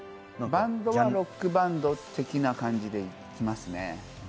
バンドはロックバンド的な感じでいきますね。